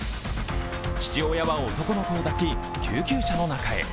父親は男の子を抱き、救急車の中へ。